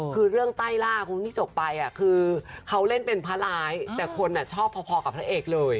คือเรื่องใต้ล่าคนที่จบไปคือเขาเล่นเป็นพระร้ายแต่คนชอบพอกับพระเอกเลย